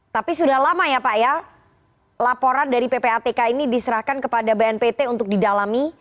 tapi sudah lama ya pak ya laporan dari ppatk ini diserahkan kepada bnpt untuk didalami